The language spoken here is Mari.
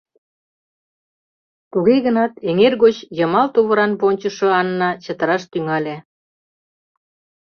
Туге гынат эҥер гоч йымал тувыран вончышо Анна чытыраш тӱҥале.